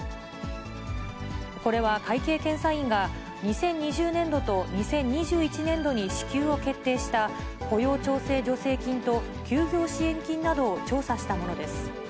これは会計検査院が、２０２０年度と２０２１年度に支給を決定した、雇用調整助成金と休業支援金などを調査したものです。